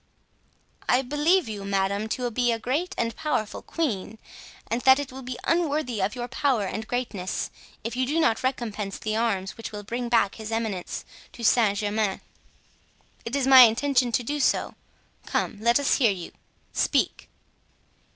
"I believe you, madame, to be a great and powerful queen, and that it will be unworthy of your power and greatness if you do not recompense the arms which will bring back his eminence to Saint Germain." "It is my intention so to do; come, let us hear you. Speak."